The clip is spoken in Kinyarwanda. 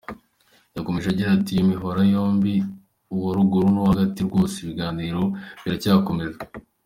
Yakomeje agira ati “Iyo mihora yombi, uwa ruguru n’uwo hagati, rwose ibiganiro biracyakomeza.